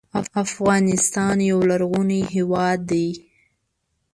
افغانستان یو لرغونی هېواد دی.